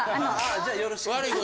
じゃあよろしく。